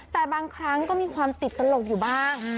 แต่บางครั้งก็มีความติดตลกอยู่บ้าง